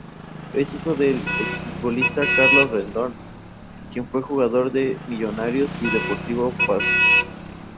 Es hijo del exfutbolista Carlos Rendón, quien fue jugador de Millonarios y Deportivo Pasto.